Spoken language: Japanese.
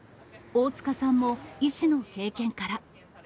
大塚さんも医師の経験から。